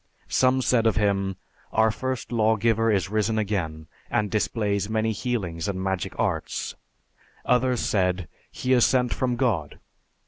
Some said of him, 'Our first law giver is risen again, and displays many healings and magic arts. Others said, 'He is sent from God.'